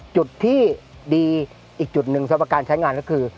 จุดที่ดีอีกจุดหนึ่งสำหรับการใช้งานก็คือ